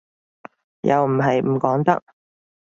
又唔係唔講得